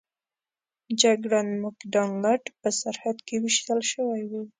جګړن مک ډانلډ په سرحد کې ویشتل شوی و.